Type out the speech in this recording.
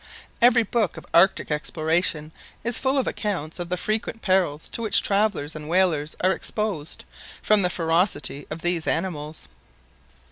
Every book of Arctic explorations is full of accounts of the frequent perils to which travellers and whalers are exposed from the ferocity of these animals.